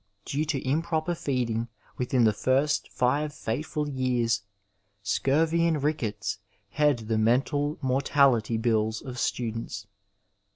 Due to improper feeding within the first five fateful years, scurvy and rickets head the mental mortaUty bills of students.